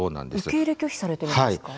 受け入れ拒否されているんですか？